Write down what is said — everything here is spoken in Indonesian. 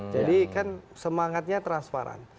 jadi kan semangatnya transparan